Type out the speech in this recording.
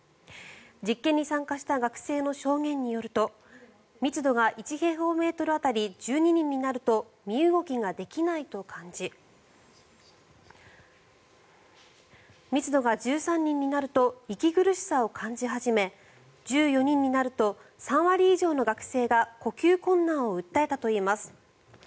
実験に参加した学生の証言によると密度が１平方メートル当たり１２人になると身動きができないと感じ密度が１３人になると息苦しさを感じ始め１４人になると３割以上の学生が呼吸困難を訴えたといいます。